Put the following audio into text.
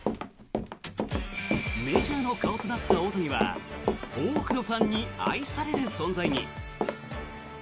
メジャーの顔となった大谷は多くのファンに愛される存在に。